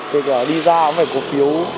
kể cả đi ra cũng phải có phí